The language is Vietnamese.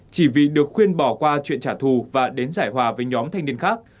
chỉ vì được khuyên bỏ qua chuyện trả thù và đến giải hòa với nhóm thanh niên khác